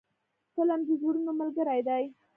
فلم د زړونو ملګری دی